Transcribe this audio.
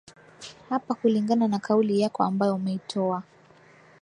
hapa kulingana na kauli yako ambayo umeitoa